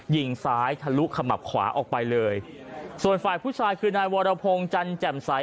ยิงซ้ายทะลุขมับขวาออกไปเลยส่วนฝ่ายผู้ชายคือนายวรพงศ์จันแจ่มใส